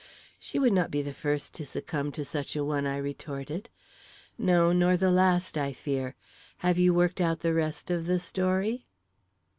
"She would not be the first to succumb to such a one," I retorted. "No, nor the last, I fear. Have you worked out the rest of the story?"